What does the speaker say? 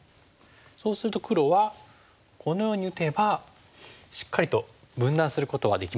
そうすると黒はこのように打てばしっかりと分断することはできました。